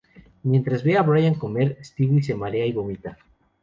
Mientras ve a Brian comer, Stewie se marea y vomita.